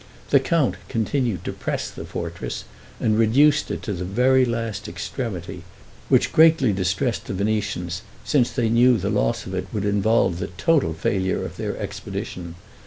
The count continued to press the fortress, and reduced it to the very last extremity, which greatly distressed the Venetians, since they knew the loss of it would involve the total failure of their expedition.